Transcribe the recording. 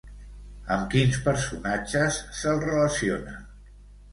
Amb quins personatges se'l relaciona?